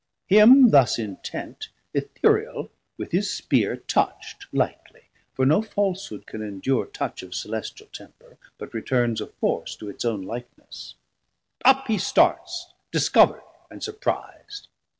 Him thus intent Ithuriel with his Spear 810 Touch'd lightly; for no falshood can endure Touch of Celestial temper, but returns Of force to its own likeness: up he starts Discoverd and surpriz'd.